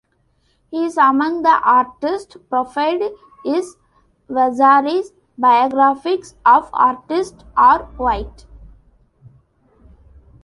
He is among the artists profiled in Vasari's biographies of artists or "Vite".